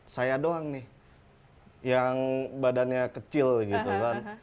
saya doang nih yang badannya kecil gitu kan